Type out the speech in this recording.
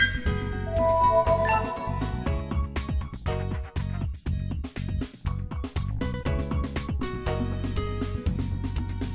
hẹn gặp lại